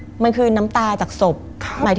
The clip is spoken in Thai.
มันกลายเป็นรูปของคนที่กำลังขโมยคิ้วแล้วก็ร้องไห้อยู่